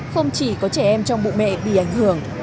không chỉ có trẻ em trong bụ mẹ bị ảnh hưởng